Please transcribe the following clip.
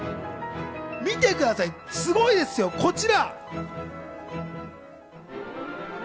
見てください、すごいですよ、こちら！